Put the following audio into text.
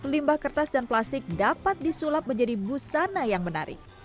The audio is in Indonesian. limbah kertas dan plastik dapat disulap menjadi busana yang menarik